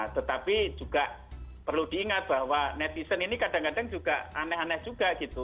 tetapi juga perlu diingat bahwa netizen ini kadang kadang juga aneh aneh juga gitu